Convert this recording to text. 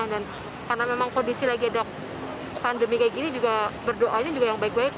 karena memang kondisi lagi ada pandemi kayak gini juga berdoanya juga yang baik baik